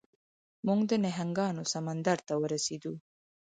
موږ د نهنګانو سمندر ته ورسیدو.